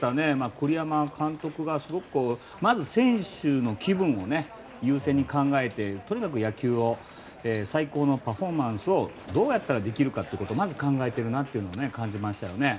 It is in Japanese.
栗山監督が選手の気分を優先に考えてとにかく野球を最高のパフォーマンスをどうやったらできるかをまず考えてるなと感じましたね。